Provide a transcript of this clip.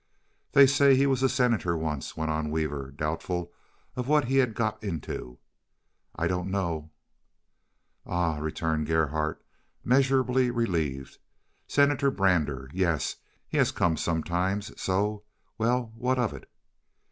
"They say he was a senator once," went on Weaver, doubtful of what he had got into; "I don't know." "Ah," returned Gerhardt, measurably relieved. "Senator Brander. Yes. He has come sometimes—so. Well, what of it?"